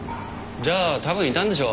じゃあたぶんいたんでしょう。